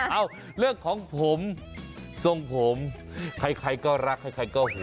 เอ้าเรื่องของผมทรงผมใครก็รักใครก็ผม